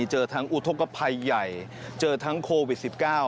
เจอทั้งอุทธกภัยใหญ่เจอทั้งโควิด๑๙